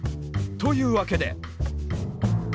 というわけで。